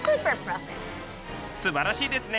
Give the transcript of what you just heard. すばらしいですね！